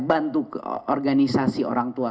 bantu organisasi orang tua